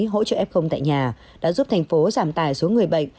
hỗ trợ f tại nhà đã giúp thành phố giảm tài số người bệnh